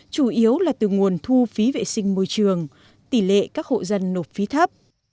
chủ yếu là từ nguồn thu phí vệ sinh môi trường tỷ lệ các hộ dân nộp phí thấp